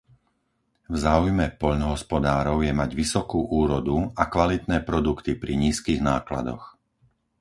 V záujme poľnohospodárov je mať vysokú úrodu a kvalitné produkty pri nízkych nákladoch.